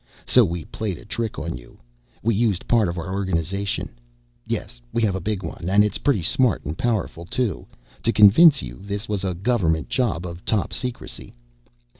So we played a trick on you. We used part of our organization yes, we have a big one, and it's pretty smart and powerful too to convince you this was a government job of top secrecy.